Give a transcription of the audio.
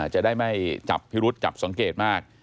จะได้ไม่จับพิรุษจับสังเกตมาก